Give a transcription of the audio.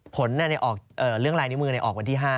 ผลเรื่องลายนิ้วมือออกวันที่๕